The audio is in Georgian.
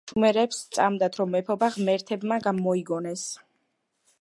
შუმერებს სწამდათ რომ მეფობა ღმერთებმა მოიგონეს.